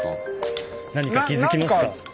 何か気付きますか？